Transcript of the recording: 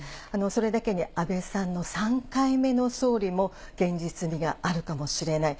それだけに、安倍さんの３回目の総理も現実味があるかもしれない。